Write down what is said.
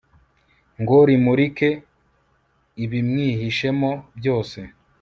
ngo rimurike ibimwihishemo byose